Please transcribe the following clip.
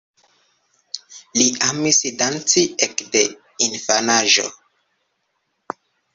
Li amis danci ekde infanaĝo.